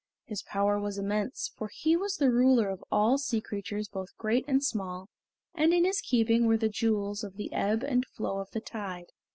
His power was immense, for he was the ruler of all sea creatures both great and small, and in his keeping were the Jewels of the Ebb and Flow of the Tide.